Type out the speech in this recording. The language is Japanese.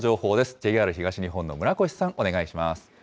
ＪＲ東日本の村越さん、お願いします。